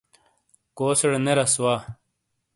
کوسیڑے نے رَس وا۔